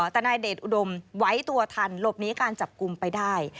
แต่นายเดชอุดมไว้ตัวทันหลบหนีการจับกลุ่มไปได้